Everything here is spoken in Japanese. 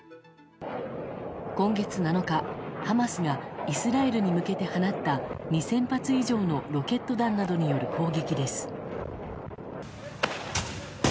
今月７日、ハマスがイスラエルに向けて放った２０００発以上のロケット弾などによる攻撃です。